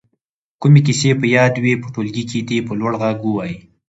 کومې کیسې په یاد وي په ټولګي کې دې په لوړ غږ ووايي.